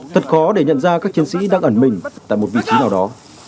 thật khó để nhận ra các chiến sĩ đang ẩn mình tại một vị trí nào đó